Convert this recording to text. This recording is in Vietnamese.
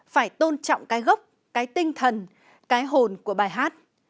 phải tôn trọng cái gốc cái tinh thần cái hồn của bài hát